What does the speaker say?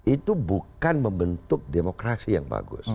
itu bukan membentuk demokrasi yang bagus